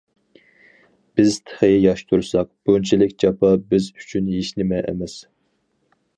بىز تېخى ياش تۇرساق، بۇنچىلىك جاپا بىز ئۈچۈن ھېچنېمە ئەمەس!